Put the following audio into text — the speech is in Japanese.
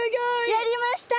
やりました！